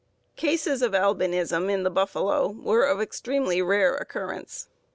_ Cases of albinism in the buffalo were of extremely rare occurrence.